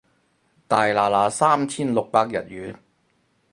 大拿拿三千六百日圓